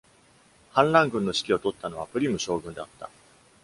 反乱軍の指揮を執ったのはプリム将軍であった。